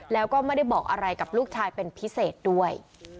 แล้วก็ไม่ได้บอกอะไรกับลูกชายเป็นพิเศษด้วย